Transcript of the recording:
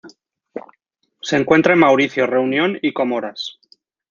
Se encuentra en Mauricio, Reunión y Comoras.